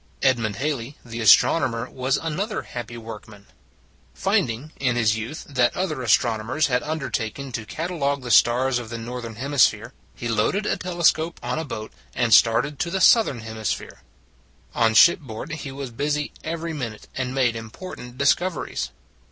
Edmund Halley, the astronomer, was another happy workman. 184 It s a Good Old World Finding, in his youth, that other as tronomers had undertaken to catalogue the stars of the northern hemisphere, he loaded a telescope on a boat and started to the southern hemisphere. On shipboard he was busy every minute, and made impor tant discoveries.